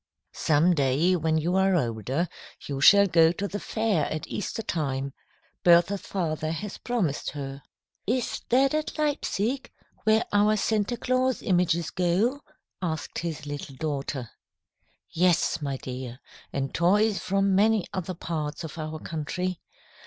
"Some day, when you are older, you shall go to the fair at Easter time," Bertha's father has promised her. "Is that at Leipsic, where our Santa Claus images go?" asked his little daughter. "Yes, my dear, and toys from many other parts of our country.